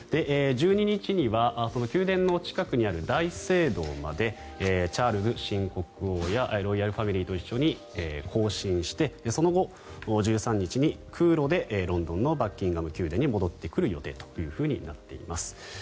１２日には宮殿の近くにある大聖堂までチャールズ新国王やロイヤルファミリーと一緒に行進してその後、１３日に空路でロンドンのバッキンガム宮殿に戻ってくる予定となっています。